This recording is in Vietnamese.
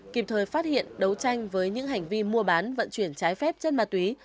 kịp thời phát hiện đấu tranh với những hành vi mua bán vận chuyển trái phép chất ma túy